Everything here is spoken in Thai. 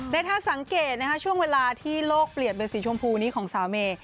และถ้าสังเกตช่วงเวลาที่โลกเปลี่ยนเป็นสีชมพูนี้ของสาวเมย์